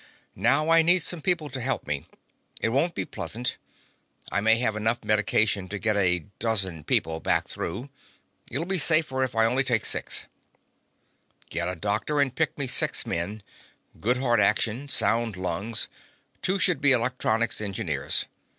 Now I need some people to help me. It won't be pleasant. I may have enough medication to get a dozen people back through. It'll be safer if I take only six. Get a doctor to pick me six men. Good heart action. Sound lungs. Two should be electronics engineers.